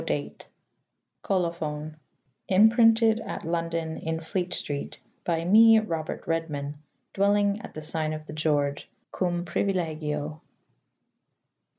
d.] [Colo phon :] Imprinted at London in Flete strete / b} me Robert Red man / dwelling at the sygne of the George / Cum priuilegio.